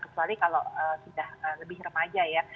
kecuali kalau sudah lebih remaja ya